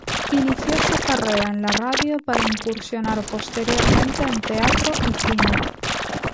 Inició su carrera en la radio para incursionar posteriormente en teatro y cine.